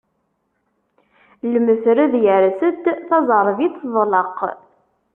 Lmetred yers-d, taẓerbit teḍleq.